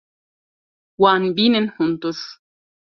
Wan bînin hundir.